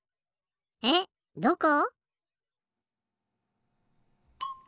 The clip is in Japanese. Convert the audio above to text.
えっどこ？